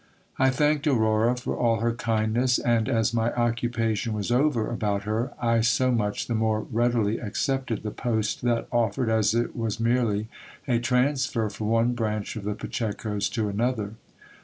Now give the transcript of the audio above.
I thanked Aurora for all her kindness ; and, as my occupation was over .bou t her, I so much the more readily accepted the post that offered, as it was nerdy a transfer from one branch of the Pachecos to another.